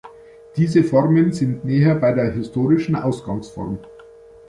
Diese Formen sind näher bei der historischen Ausgangsform.